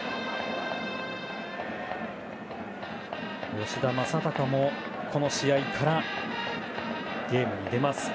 吉田正尚もこの試合からゲームに出ます。